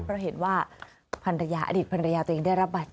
เพราะเห็นว่าพันธญาปันดิดพันธญาตัวเองได้รับบัญชี